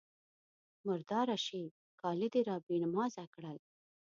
_مرداره شې! کالي دې را بې نمازه کړل.